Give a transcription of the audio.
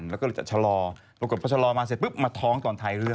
แล้วก็เลยจะชะลอปรากฏพอชะลอมาเสร็จปุ๊บมาท้องตอนท้ายเรื่อง